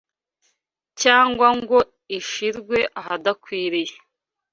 cyangwa ngo ishirwe ahadakwiriye